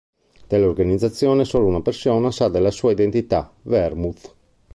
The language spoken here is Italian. Dell'organizzazione solo una persona sa della sua identità: Vermouth.